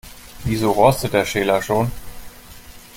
Wieso rostet der Schäler schon?